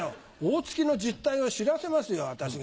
大月の実態を知らせますよ私が。